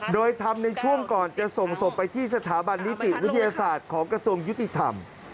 โดยทำในช่วงก่อนจะส่งศพไปที่สถาบันนิติวิทยาศาสตร์ของกระทรวงยุติธรรม